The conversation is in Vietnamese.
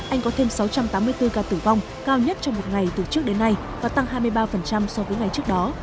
anh có thêm sáu trăm tám mươi bốn ca tử vong cao nhất trong một ngày từ trước đến nay và tăng hai mươi ba so với ngày trước đó